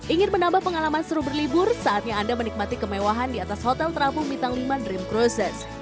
ingin menambah pengalaman seru berlibur saatnya anda menikmati kemewahan di atas hotel trapu mitang liman dream cruises